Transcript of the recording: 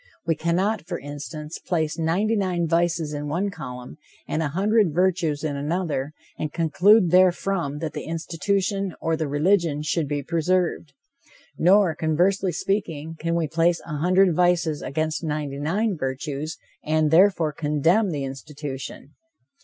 We cannot, for instance, place ninety nine vices in one column, and a hundred virtues in another, and conclude therefrom that the institution or the religion should be preserved. Nor, conversely speaking, can we place a hundred vices against ninety nine virtues, and, therefore, condemn, the institution.